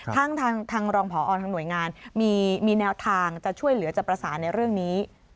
ทางรองพอทางหน่วยงานมีแนวทางจะช่วยเหลือจะประสานในเรื่องนี้